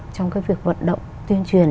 trong cái việc vận động tuyên truyền